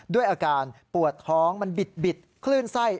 ด้วยอาการปวดท้องมันบิดคลื่นไส้